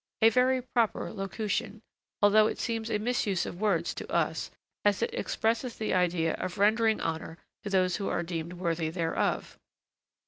A very proper locution, although it seems a misuse of words to us, as it expresses the idea of rendering honor to those who are deemed worthy thereof.